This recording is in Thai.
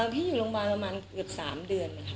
พี่อยู่โรงพยาบาลประมาณเกือบ๓เดือนค่ะ